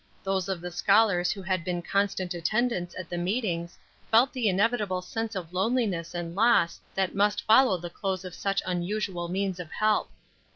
Those of the scholars who had been constant attendants at the meetings felt the inevitable sense of loneliness and loss that must follow the close of such unusual means of help.